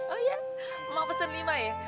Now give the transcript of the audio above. oh iya emang pesen lima ya